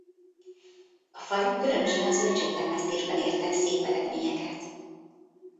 A falu különösen a zöldség termesztésben ért el szép eredményeket.